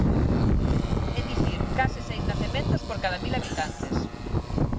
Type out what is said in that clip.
É dicir, case seis nacementos por cada mil habitantes.